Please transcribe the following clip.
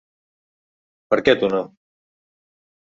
¿Per què tu no?